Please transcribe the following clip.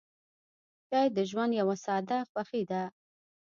چای د ژوند یوه ساده خوښي ده.